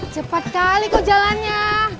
cepat kali kok jalannya